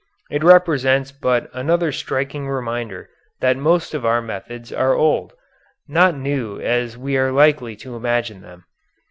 It represents but another striking reminder that most of our methods are old, not new as we are likely to imagine them.